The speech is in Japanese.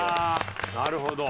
なるほど。